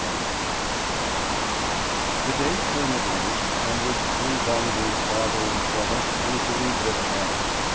CHAPTER III THE day came at length on which Fru Wangen's father and brother were to leave their farm.